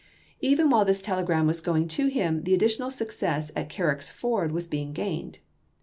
'' Even while this telegram was going to him, the additional success at Carrick's Ford was being gained.